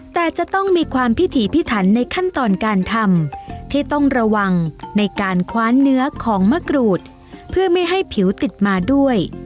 แต่จะต้องมีความพิถีพิถันในขั้นตอนการทำที่ต้องระวังในการคว้านเนื้อของมะกรูดเพื่อไม่ให้ผิวติดมาด้วย